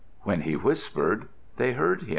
When he whispered, they heard him.